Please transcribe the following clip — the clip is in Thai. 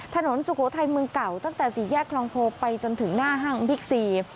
สุโขทัยเมืองเก่าตั้งแต่สี่แยกคลองโพไปจนถึงหน้าห้างบิ๊กซี